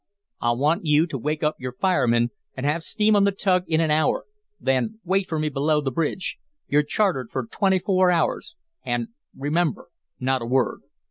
"I want you to wake up your fireman and have steam on the tug in an hour, then wait for me below the bridge. You're chartered for twenty four hours, and remember, not a word."